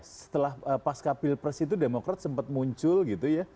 setelah pasca pilpres itu demokrat sempat muncul gitu ya